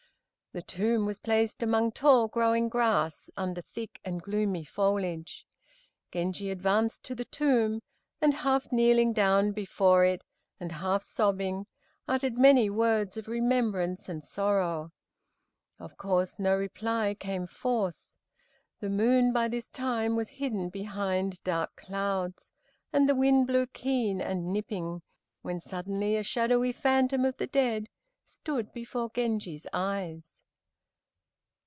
The tomb was placed among tall growing grass, under thick and gloomy foliage. Genji advanced to the tomb, and, half kneeling down before it, and half sobbing, uttered many words of remembrance and sorrow. Of course no reply came forth. The moon by this time was hidden behind dark clouds, and the winds blew keen and nipping, when suddenly a shadowy phantom of the dead stood before Genji's eyes.